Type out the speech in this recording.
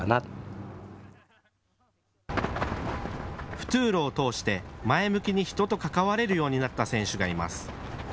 フトゥーロを通して前向きに人と関われるようになった選手がいます。